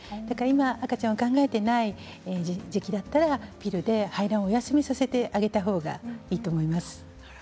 赤ちゃんを考えていない時期だったらピルで排卵をお休みさせてあげたほうがいいと思います。